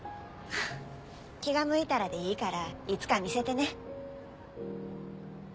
気が向いたらでいいからいつか見せてね。